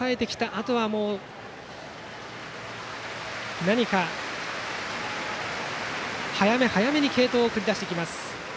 あとは何か早め早めに継投を送り出してきます。